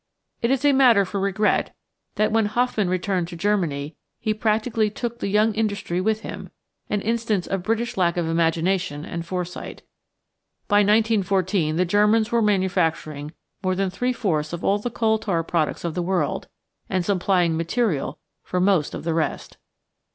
It is a matter for regret that when Hofmann returned to Germany he practically took the young industry with him an instance of British lack of imagination and foresight. "By 1914 the Ger mans were manufacturing more than three fourths of all the The Chemist as Creator 751 coal tar products of the world, and supplying material for most of the rest."